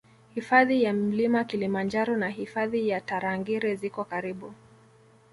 Hifadhi ya Mlima Kilimanjaro na Hifadhi ya Tarangire ziko karibu